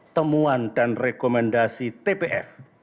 temuan dan rekomendasi tpf